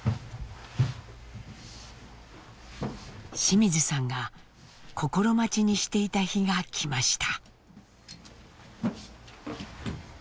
清水さんが心待ちにしていた日が来ました。